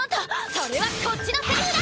それはこっちのセリフだ！